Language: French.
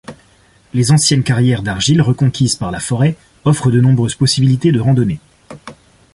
Les anciennes carrières d'argile, reconquises par la forêt, offrent de nombreuses possibilités de randonnées.